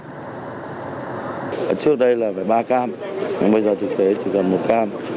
trước đây là phải ba cam bây giờ thực tế chỉ cần một cam